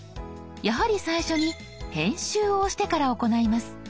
やはり最初に「編集」を押してから行います。